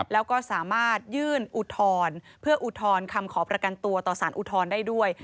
แล้วก็สามารถยื่นอุทธรณ์เพื่ออุทธรณ์คำขอประกันตัวต่อสารอุทธรณ์ได้ด้วย